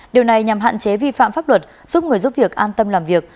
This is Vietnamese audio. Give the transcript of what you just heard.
điều này nhằm hạn chế vi phạm pháp luật giúp người giúp việc an tâm làm việc